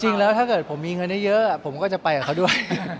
จริงแล้วถ้าเกิดผมมีเงินได้เยอะผมก็จะไปกับเขาด้วย